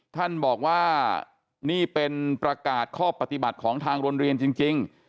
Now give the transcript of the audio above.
ท่านบอกว่านี่เป็นประกาศข้อปฏิบัติของทางโรงเรียนจริง